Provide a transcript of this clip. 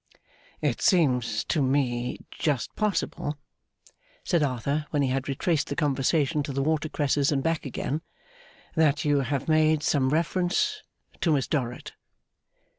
'It seems to me just possible,' said Arthur, when he had retraced the conversation to the water cresses and back again, 'that you have made some reference to Miss Dorrit.